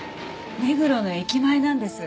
目黒の駅前なんです。